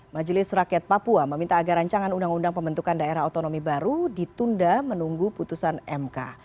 majelis rakyat papua meminta agar rancangan undang undang pembentukan daerah otonomi baru ditunda menunggu putusan mk